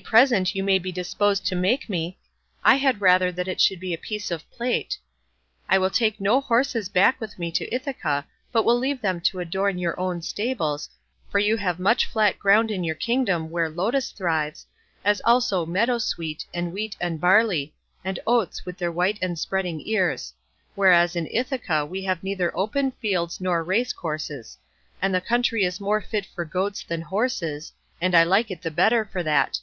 As for any present you may be disposed to make me, I had rather that it should be a piece of plate. I will take no horses back with me to Ithaca, but will leave them to adorn your own stables, for you have much flat ground in your kingdom where lotus thrives, as also meadow sweet and wheat and barley, and oats with their white and spreading ears; whereas in Ithaca we have neither open fields nor racecourses, and the country is more fit for goats than horses, and I like it the better for that.